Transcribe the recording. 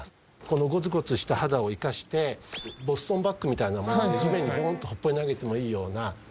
このゴツゴツした肌を生かしてボストンバッグみたいなもう地面にボーンとほっぽり投げてもいいような。